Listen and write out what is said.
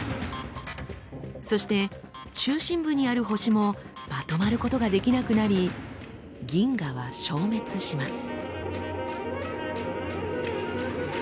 そして中心部にある星もまとまることができなくなり銀河は消滅します。